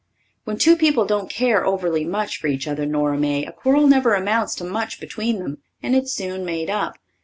When two people don't care overly much for each other, Nora May, a quarrel never amounts to much between them, and it's soon made up.